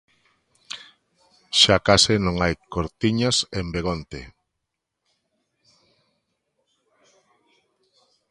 Xa case non hai cortiñas en Begonte.